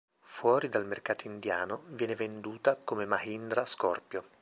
Fuori dal mercato indiano, viene venduta come Mahindra Scorpio.